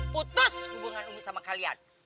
putus hubungan umi sama kalian